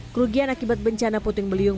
kerugian akibat bencana puting beliung